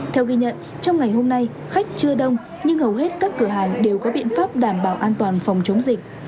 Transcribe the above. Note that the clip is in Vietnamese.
theo ghi nhận trong ngày hôm nay khách chưa đông nhưng hầu hết các cửa hàng đều có biện pháp đảm bảo an toàn phòng chống dịch